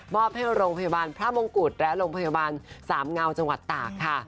อบให้โรงพยาบาลพระมงกุฎและโรงพยาบาลสามเงาจังหวัดตากค่ะ